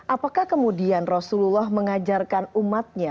apakah kemudian rasulullah mengajarkan umatnya